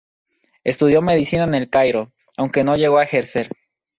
Estudió medicina en El Cairo, aunque no llegó a ejercer.